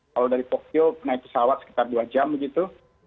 kalau dari tokyo naik pesawat sekitar dua jam begitu